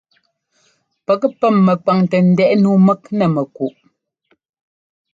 Pɛk pɛ́m mɛkwaŋtɛ ndɛꞌɛ nǔu mɛk nɛ mɛkuꞌ.